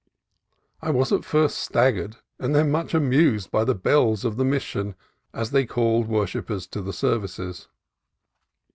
I was at first staggered and then much amused by the bells of the Mission as they called worshippers to the services.